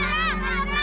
selamat siang siapa ya